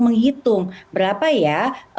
menghitung berapa ya